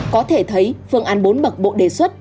có thể thấy phương án bốn bậc bộ đề xuất